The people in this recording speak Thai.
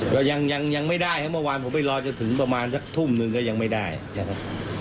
ก็ยังยังไม่ได้ครับเมื่อวานผมไปรอจนถึงประมาณสักทุ่มหนึ่งก็ยังไม่ได้นะครับ